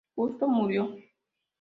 Justo murió.